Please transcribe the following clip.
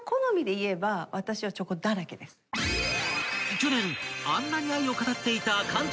［去年あんなに愛を語っていた］